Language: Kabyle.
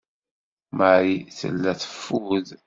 Marie tella teffud.